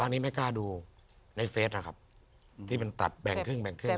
อันนี้ไม่กล้าดูในเฟสนะครับที่มันตัดแบ่งครึ่งแบ่งครึ่ง